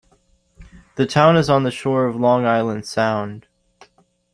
The town is on the shore of Long Island Sound.